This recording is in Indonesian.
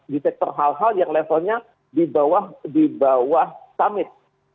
di sektor hal hal yang levelnya di bawah summit